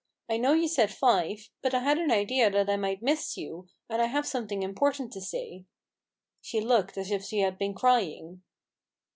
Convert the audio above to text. I know you said five, bat I had an idea that I might miss you, and I have something important to say," She looked as if she had been crying.